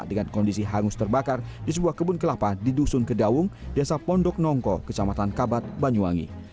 dengan kondisi hangus terbakar di sebuah kebun kelapa di dusun kedaung desa pondok nongko kecamatan kabat banyuwangi